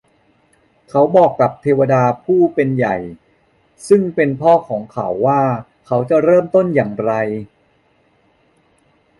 เขาบอกกับเทวดาผู้เป็นใหญ่ซึ่งเป็นพ่อของเขาว่า เขาจะเริ่มต้นอย่างไร